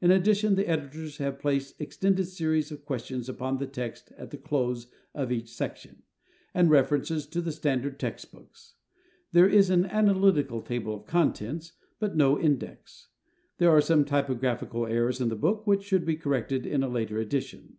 In addition the editors have placed extended series of questions upon the text at the close of each section, and references to the standard text books. There is an analytical table of contents, but no index. There are some typographical errors in the book which should be corrected in a later edition.